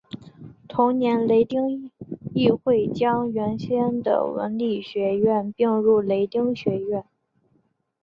同年雷丁议会将原先的文理学院并入雷丁学院。